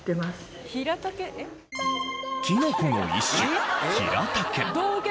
キノコの一種ヒラタケ。